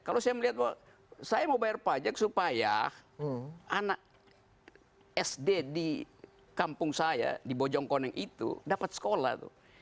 kalau saya melihat bahwa saya mau bayar pajak supaya anak sd di kampung saya di bojongkoneng itu dapat sekolah tuh